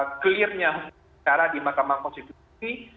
nah soal kepastian dan clearness secara di mahkamah konstitusi